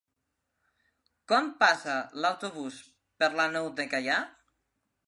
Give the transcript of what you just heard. Quan passa l'autobús per la Nou de Gaià?